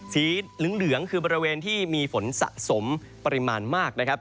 สีเหลืองคือบริเวณที่มีฝนสะสมปริมาณมากนะครับ